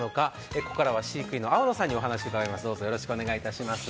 ここからは飼育員の粟野さんにお話を伺います。